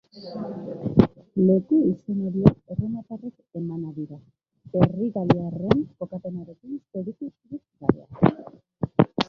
Leku-izen horiek erromatarrek emana dira, herri galiarren kokapenarekin zerikusirik gabeak.